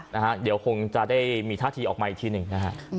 นะฮะเดี๋ยวคงจะได้มีท่าทีออกมาอีกทีหนึ่งนะฮะ